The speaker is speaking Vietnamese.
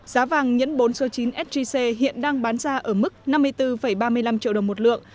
giá vàng nhẫn bốn số chín sgc hiện đang bán ra ở mức năm mươi bốn ba mươi năm triệu đồng một lượng